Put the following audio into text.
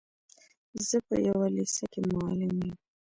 زه په يوه لېسه کي معلم يم.